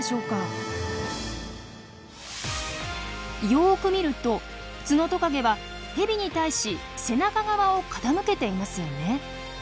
よく見るとツノトカゲはヘビに対し背中側を傾けていますよね。